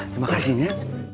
terima kasih ya